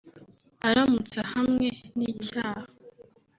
Aramutse ahamwe n’icyaha